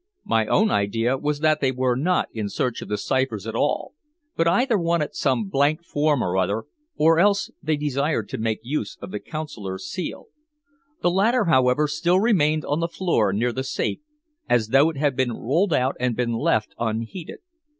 My own idea was that they were not in search of the ciphers at all, but either wanted some blank form or other, or else they desired to make use of the Consular seal. The latter, however, still remained on the floor near the safe, as though it had rolled out and been left unheeded.